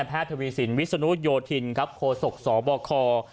แพทย์ธวีสินวิสนุศโยธินโคศกสบค